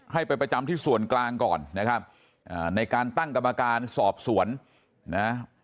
ให้ไปประจำที่ส่วนกลางก่อนนะครับอ่าในการตั้งกรรมการสอบสวนนะ